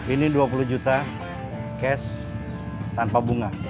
ini dua puluh juta cash tanpa bunga